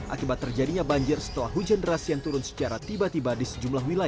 akibat terjadinya banjir setelah hujan deras yang turun secara tiba tiba di sejumlah wilayah